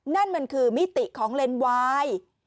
นั่นมันคือมิติของเลนวาย